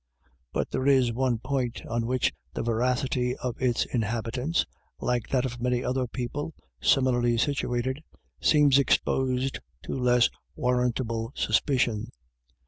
But there is one point on which the veracity of its inhabitants, like that of many other people similarly situated, seems exposed to less warrantable suspicion.